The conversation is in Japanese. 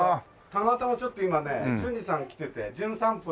たまたまちょっと今ね純次さん来てて『じゅん散歩』で。